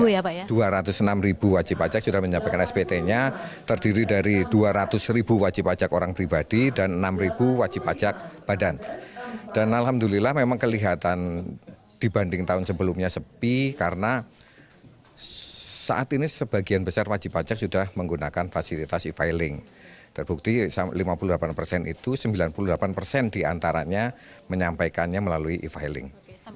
dua ratus enam ya pak ya dua ratus enam wajib pajak sudah menyampaikan spt nya terdiri dari dua ratus wajib pajak orang pribadi dan enam wajib pajak badan dan alhamdulillah memang kelihatan dibanding tahun sebelumnya sepi karena saat ini sebagian besar wajib pajak sudah menggunakan fasilitas e filing terbukti lima puluh delapan persen itu sembilan puluh delapan persen diantaranya menyampaikannya melalui e filing